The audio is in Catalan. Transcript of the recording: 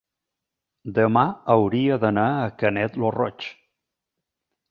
Demà hauria d'anar a Canet lo Roig.